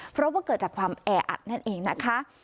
เพราะว่าเกิดจากความแออัดนั่นเองนะคะ